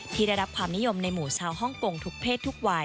ที่ได้รับความนิยมในหมู่ชาวฮ่องกงทุกเพศทุกวัย